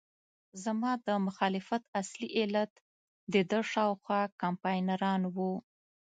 زما د مخالفت اصلي علت دده شاوخوا کمپاینران وو.